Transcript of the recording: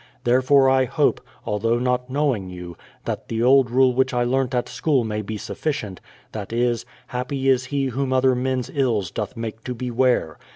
Therefore I hope, although not knowing you, that the old rule which I learnt at school may be sufficient : that is, — Happy is he whom other men's ills doth make to beware